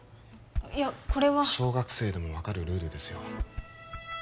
いやこれは小学生でも分かるルールですよ